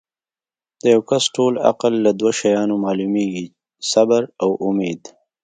د یو کس ټول عقل لۀ دوه شیانو معلومیږي صبر او اُمید